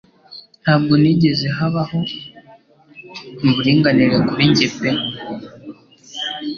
Ntabwo nigeze habaho uburinganire kuri njye pe